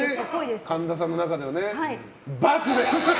神田さんの中ではね。